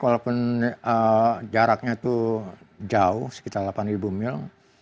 walaupun jaraknya itu jauh sekitar delapan mil